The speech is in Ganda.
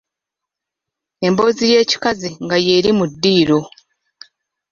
Embozi y'ekikazi nga yeli mu ddiiro.